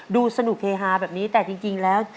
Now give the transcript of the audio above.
ดูสนุกเฮฮาแบบนี้แต่จริงแล้ว